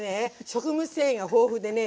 食物繊維が豊富でね。